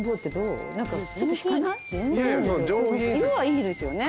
色はいいですよね。